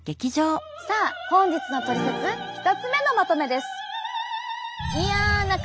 さあ本日のトリセツ１つ目のまとめです。